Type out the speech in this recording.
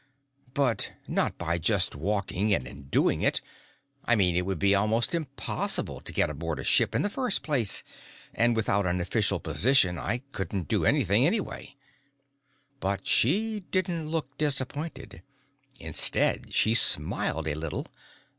But not by just walking in and doing it. I mean, it would be almost impossible to get aboard a ship in the first place, and without an official position I couldn't do anything anyway." But she didn't look disappointed. Instead, she'd smiled a little.